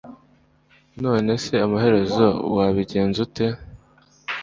none se amaherezo wabigenza ute